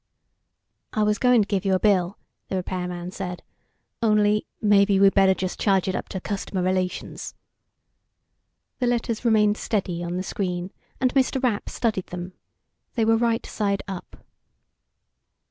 "I was going to give you a bill," the repairman said. "Only maybe we better just charge it up to customer relations." The letters remained steady on the screen, and Mr. Rapp studied them. They were right side up.